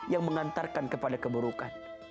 yang mengantarkan kepada keburukan